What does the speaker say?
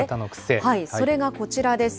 それがこちらです。